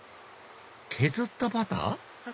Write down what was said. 削ったバター？